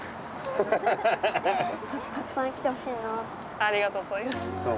ありがとうございます。